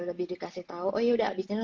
lebih dikasih tau oh ya udah disini